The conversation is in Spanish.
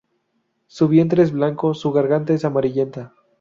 Su vientre es blanco; Su garganta es amarillenta.